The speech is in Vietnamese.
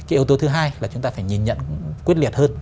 cái yếu tố thứ hai là chúng ta phải nhìn nhận quyết liệt hơn